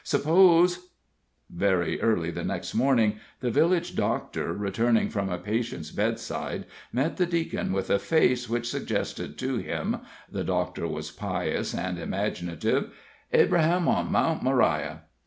Suppose Very early the next morning the village doctor, returning from a patient's bedside, met the Deacon with a face which suggested to him (the doctor was pious and imaginative) "Abraham on Mount Moriah."